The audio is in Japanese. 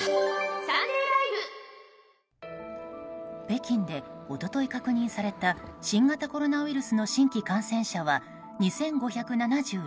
北京で一昨日確認された新型コロナウイルスの新規感染者は２５７６人。